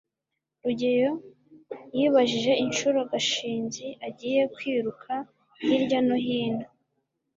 rugeyo yibajije inshuro gashinzi agiye kwiruka hirya no hino